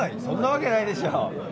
そんなわけないでしょ。